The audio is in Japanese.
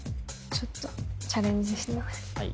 ちょっとチャレンジしてみますはい